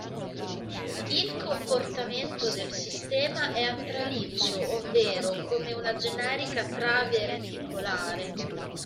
Il comportamento del sistema è a traliccio, ovvero come una generica trave reticolare.